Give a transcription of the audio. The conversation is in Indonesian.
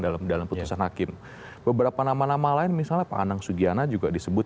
dalam dalam putusan hakim beberapa nama nama lain misalnya pak anang sugiana juga disebut